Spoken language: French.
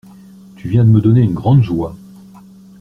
Tu viens de me donner une grande joie.